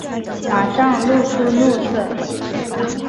马上露出怒色